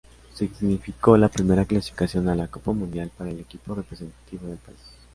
Significó la primera clasificación a la Copa Mundial para el equipo representativo del país.